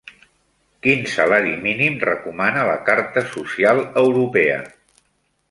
Quin salari mínim recomana la Carta Social Europea?